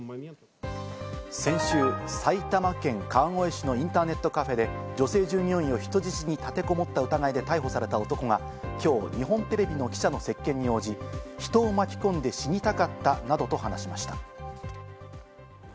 先週、埼玉県川越市のインターネットカフェで女性従業員を人質に立てこもった疑いで逮捕された男は今日、日本テレビの記者の接見に応じ、巻き込んで死にたかったなどと話しました。